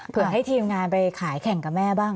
ให้ทีมงานไปขายแข่งกับแม่บ้าง